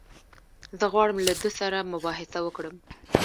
زه غواړم له ده سره مباحثه وکړم.